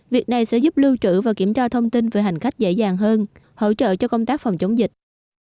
việc này sẽ giúp lưu trữ và kiểm tra thông tin về hành khách dễ dàng hơn hỗ trợ cho công tác phòng chống dịch